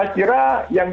yang disampaikan tadi